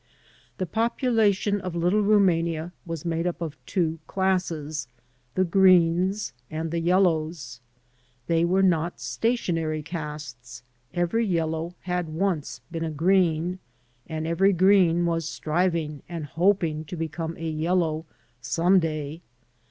The population 6t Little Rimiania was made up of two classes, the greens and the yellows. They were not stationary castes; every yellow had once been a green, and every green was striving and hoping to become a yellow some day.